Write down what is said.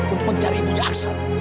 untuk mencari ibunya aksan